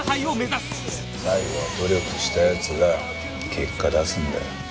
最後は努力した奴が結果出すんだよ。